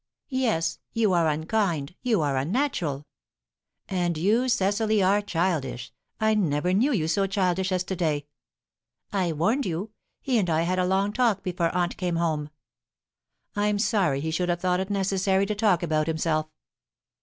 "Yes. You are unkind; you are unnatural." "And you, Cecily, are childish. I never knew you so childish as to day." "I warned you. He and I had a long talk before aunt came home." "I'm sorry he should have thought it necessary to talk about himself."